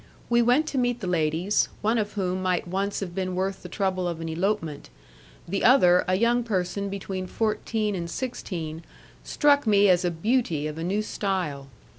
We went to meet the ladies, one of whom might once have been worth the trouble of an elopement; the other, a young person between fourteen and sixteen, struck me as a beauty of a new style.